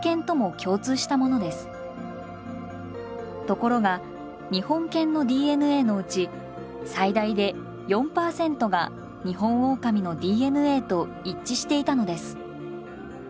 ところが日本犬のＤＮＡのうち最大で４％がニホンオオカミのＤＮＡと一致していたのです。